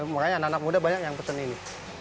makanya anak anak muda banyak yang pesen ini